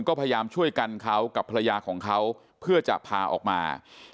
ก็พยายามช่วยกันเขากับภรรยาของเขาเพื่อจะพาออกมา